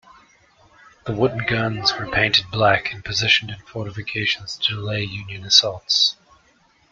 The wooden guns were painted black and positioned in fortifications to delay Union assaults.